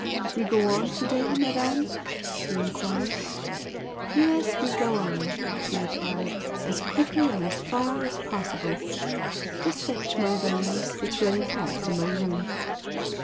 "We go on to day, Madame?" he enquired. "Yes, we go on" she replied "as quickly and as far as possible. Just fetch my valise it's ready packed in my room."